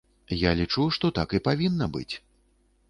Я лічу, што так і павінна быць.